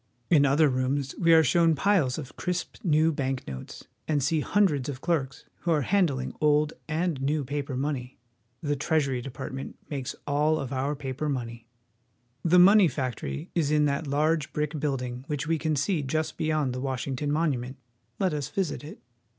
In other rooms we are shown piles of crisp new bank notes, and see hundreds of clerks who are han dling old and new paper money. The TreasuryDepartment makes all of our pa per money. The money factory is in that large brick building which we can see just be yond the Washington Monument. Let us visit it.